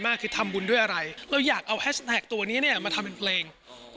คือทำบุญด้วยอะไรเราอยากเอาแฮชแท็กตัวนี้เนี่ยมาทำเป็นเพลง